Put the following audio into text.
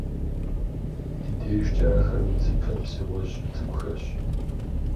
Ди дежкӏэ ахэр удзыпэ псыгъуэжь цӏыкӏухэщ.